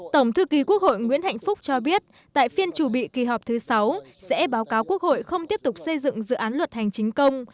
tổng thư ký quốc hội nguyễn hạnh phúc cho biết tại phiên chủ bị kỳ họp thứ sáu sẽ báo cáo quốc hội không tiếp tục xây dựng dự án luật hành chính công